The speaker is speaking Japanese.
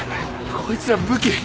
こいつら武器。